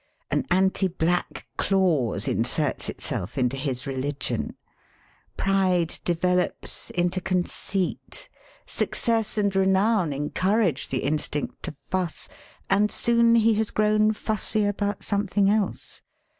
An anti black clause inserts itself into his religion. Pride develops into con ceit. Success and renown encourage the instinct to fuss, and soon he has grown fussy about some thing else.